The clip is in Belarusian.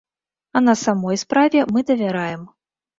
А на самой справе мы давяраем.